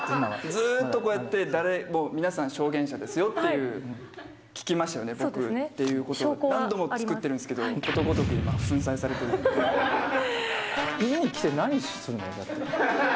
ずっとこうやって誰も、皆さん、証言者ですよっていう、聞きましたよね、僕っていうことを何度も作ってるんですけれども、家に来て何するの、だって。